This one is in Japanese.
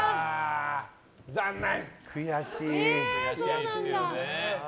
残念！